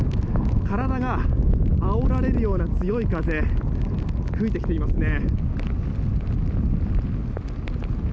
体があおられるような強い風が吹いてきていますね。